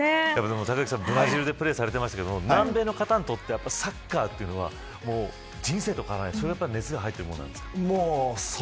隆行さん、ブラジルでプレーされてましたけど南米の方にとってサッカーは人生とか、そのぐらい熱が入ってるものなんですか。